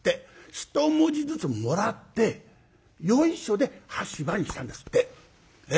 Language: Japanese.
１文字ずつもらってよいしょで「羽柴」にしたんですって。